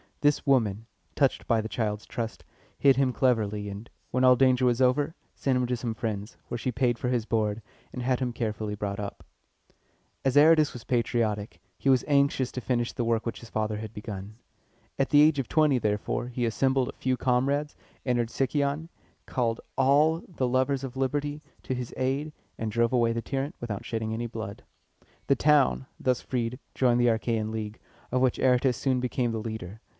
This woman, touched by the child's trust, hid him cleverly, and, when all danger was over, sent him to some friends, where she paid for his board, and had him carefully brought up. As Aratus was patriotic, he was anxious to finish the work which his father had begun. At the age of twenty, therefore, he assembled a few comrades, entered Sicyon, called all the lovers of liberty to his aid, and drove away the tyrant without shedding any blood. The town, thus freed, joined the Achæan League, of which Aratus soon became the leader.